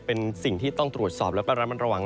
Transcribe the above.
เป็นสิ่งที่ต้องตรวจสอบแล้วก็ระมัดระวัง